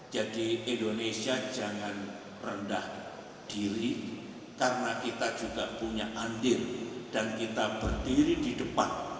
jadi indonesia jangan rendah diri karena kita juga punya andir dan kita berdiri di depan